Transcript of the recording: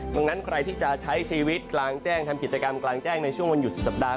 ดังนั้นใครที่จะใช้ชีวิตกลางแจ้งทำกิจกรรมกลางแจ้งในช่วงวันหยุดสุดสัปดาห